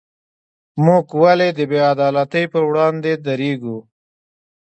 موږ ولې د بې عدالتۍ پر وړاندې دریږو؟